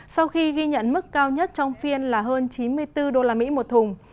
sau khi ghi nhận mức cao nhất trong phiên là hơn chín mươi bốn usd một thùng